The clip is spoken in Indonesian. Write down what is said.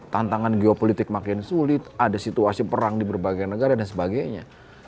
tantangan geopolitik makin sulit ada situasi perang di berbagai negara dan sebagainya